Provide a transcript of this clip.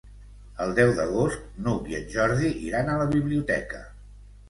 El deu d'agost n'Hug i en Jordi iran a la biblioteca.